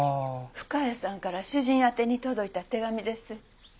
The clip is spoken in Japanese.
深谷さんから主人宛てに届いた手紙です。